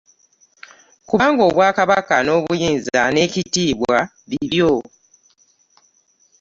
Kubanga obwa Kabaka n'obuyinza n'ekitiibwa bibyo.